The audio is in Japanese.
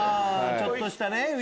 ちょっとしたね。